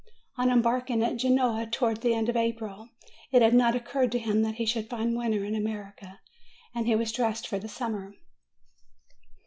On embark ing at Genoa, towards the end of April, it had not oc curred to him that he should find winter in America, and he was dressed for summer.